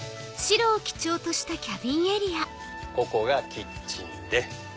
ここがキッチンで。